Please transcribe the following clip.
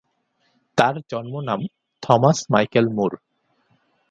তার জন্মনাম Thomas Michael মুর।